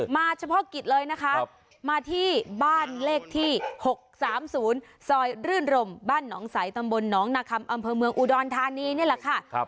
เฉพาะกิจเลยนะคะมาที่บ้านเลขที่๖๓๐ซอยรื่นรมบ้านหนองใสตำบลหนองนาคัมอำเภอเมืองอุดรธานีนี่แหละค่ะ